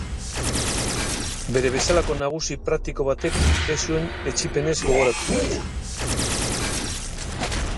Bera bezalako nagusi praktiko batek ez zuen etsipenez gogoratuko.